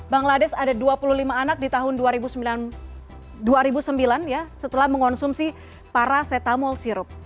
bangladesh ada dua puluh lima anak di tahun dua ribu sembilan ya setelah mengonsumsi paracetamol sirup